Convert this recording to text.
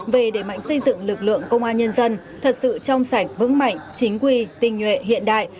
về đề mạnh xây dựng lực lượng công an nhân dân thật sự trong sảnh vững mạnh chính quy tình nguyện hiện đại